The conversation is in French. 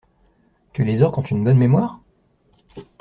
Que les orques ont une bonne mémoire?